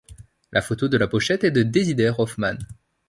La photo de la pochette est de Dezider Hoffmann.